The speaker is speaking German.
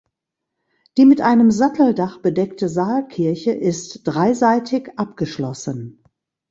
Die mit einem Satteldach bedeckte Saalkirche ist dreiseitig abgeschlossen.